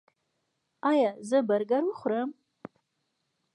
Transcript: ایا زه برګر وخورم؟